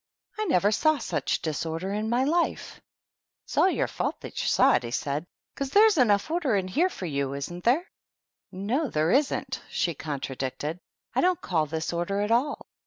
"I never saw such disorder ill my life." "It's all your fault that you saw it/' he said, "because there's enough order in here for you, isn't there?" " No, there isn't," she contradicted. " I don't call this order at all.